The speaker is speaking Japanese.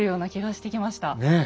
ねえ。